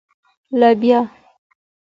🫘 لبیا